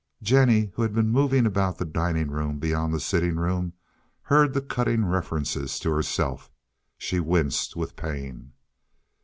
Jennie, who had been moving about the dining room beyond the sitting room, heard the cutting references to herself. She winced with pain.